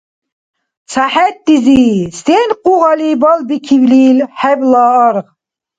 Ца хӀерризи, сен къугъали балбикилил хӀебла аргъ.